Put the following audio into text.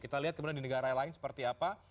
kita lihat kemudian di negara lain seperti apa